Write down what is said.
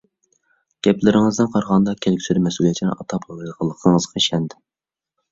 گەپلىرىڭىزدىن قارىغاندا كەلگۈسىدە مەسئۇلىيەتچان ئاتا بولالايدىغانلىقىڭىزغا ئىشەندىم.